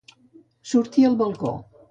Sortí al balcó.